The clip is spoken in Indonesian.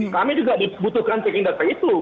kami juga butuhkan cek data itu